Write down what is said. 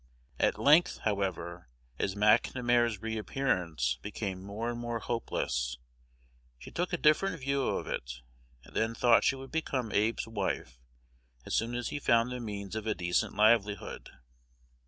At length, however, as McNamar's re appearance became more and more hopeless, she took a different view of it, and then thought she would become Abe's wife as soon as he found the means of a decent livelihood.